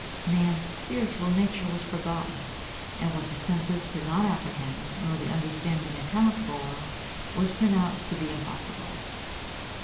Man's spiritual nature was forgotten; and what the senses could not apprehend, nor the understanding account for, was pronounced to be impossible.